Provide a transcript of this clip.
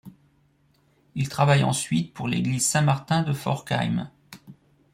Il travaille ensuite pour l'église Saint-Martin de Forchheim.